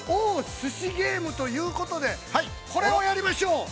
寿司ゲームということでこれをやりましょう。